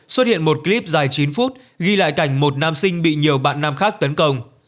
xuất hiện một clip dài chín phút ghi lại cảnh một nam sinh bị nhiều bạn nam khác tấn công